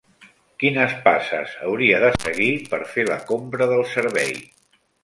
Quines passes hauria de seguir per fer la compra del servei?